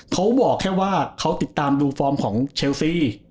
เขาบอกแค่ว่าเขาติดตามดูฟอร์มของเชลซี